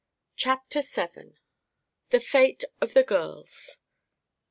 CHAPTER VII THE FATE OF THE GIRLS.